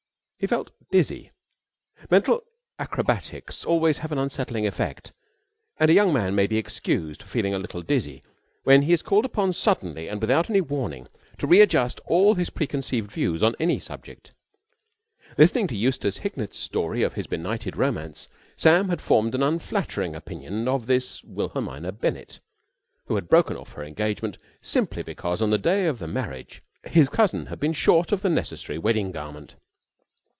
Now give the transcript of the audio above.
He felt dizzy. Mental acrobatics always have an unsettling effect, and a young man may be excused for feeling a little dizzy when he is called upon suddenly and without any warning to readjust all his preconceived views on any subject. Listening to Eustace Hignett's story of his blighted romance, Sam had formed an unflattering opinion of this Wilhelmina Bennett who had broken off her engagement simply because on the day of the marriage his cousin had been short of the necessary wedding garment.